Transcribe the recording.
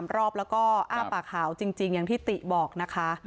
รอบแล้วก็อ้าปากขาวจริงอย่างที่ติบอกนะคะ